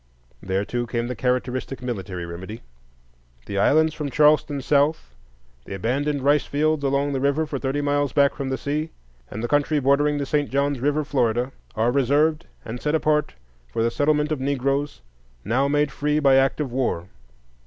There too came the characteristic military remedy: "The islands from Charleston south, the abandoned rice fields along the rivers for thirty miles back from the sea, and the country bordering the St. John's River, Florida, are reserved and set apart for the settlement of Negroes now made free by act of war."